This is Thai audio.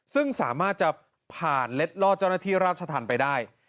ซึ่งสามารถจะผ่านเล็ดลอดเจ้าหน้าที่ราชธรรมไปได้